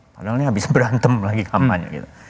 padahal ini habis berantem lagi kampanye gitu